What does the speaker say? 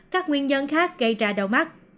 các nguyên nhân khác gây ra đau mắt